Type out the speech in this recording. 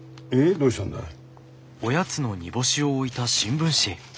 どうしたんだい？